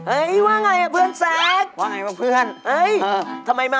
ไอ้ว่าไงอ่ะเพื่อนแซม